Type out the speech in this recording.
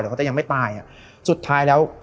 หรือเขายังไม่ตายอะสุดท้ายแล้ว